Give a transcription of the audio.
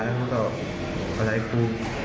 แล้วก็กำลังให้พูด